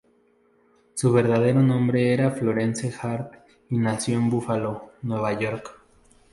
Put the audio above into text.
Su verdadero nombre era Florence Hart, y nació en Búfalo, Nueva York.